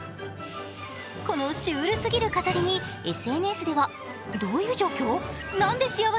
このシュールすぎる飾りにＳＮＳではツッコミの嵐。